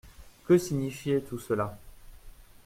Que signifiait tout cela?